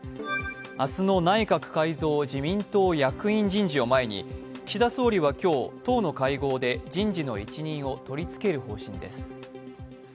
明日の内閣改造・自民党役員人事を前に、岸田総理は今日、党の会合で人事の一任を取り付ける方針です。